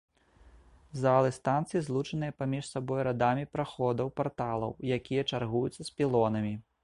Залы станцыі злучаныя паміж сабой радамі праходаў-парталаў, якія чаргуюцца з пілонамі.